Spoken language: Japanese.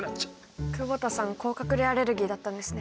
久保田さん甲殻類アレルギーだったんですね。